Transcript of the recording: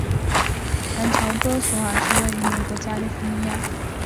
兰乔德索尔是位于美国加利福尼亚州埃尔多拉多县的一个非建制地区。